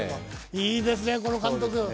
いいですね、この監督。